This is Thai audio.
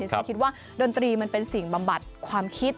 ฉันคิดว่าดนตรีมันเป็นสิ่งบำบัดความคิด